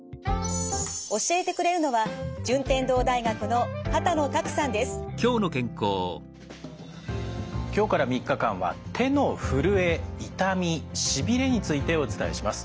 教えてくれるのは今日から３日間は手のふるえ痛みしびれについてお伝えします。